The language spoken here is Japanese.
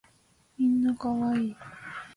みんな可愛い